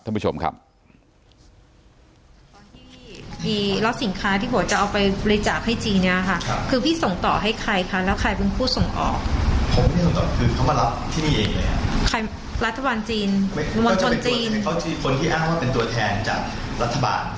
ท่านผู้ชมครับ